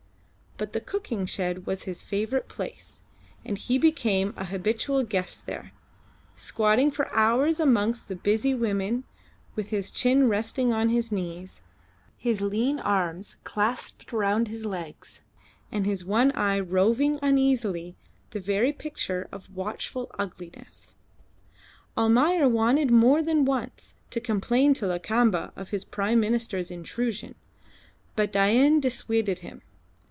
But the cooking shed was his favourite place, and he became an habitual guest there, squatting for hours amongst the busy women, with his chin resting on his knees, his lean arms clasped round his legs, and his one eye roving uneasily the very picture of watchful ugliness. Almayer wanted more than once to complain to Lakamba of his Prime Minister's intrusion, but Dain dissuaded him.